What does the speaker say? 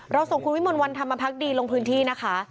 ส่งคุณวิมลวันธรรมพักดีลงพื้นที่นะคะ